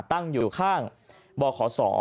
ตั้งอยู่ข้างบ่อขอสอ